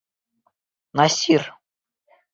Насир!..